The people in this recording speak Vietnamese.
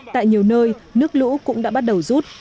tại nhiều nơi nước lũ cũng đã bắt đầu rút